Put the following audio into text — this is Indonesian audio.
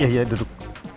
ya ya duduk